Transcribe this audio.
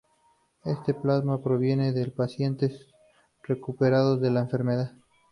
Este plasma proviene de pacientes recuperados de la enfermedad.